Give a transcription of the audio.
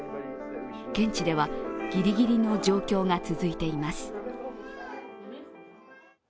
現地ではギリギリの状況が続いています。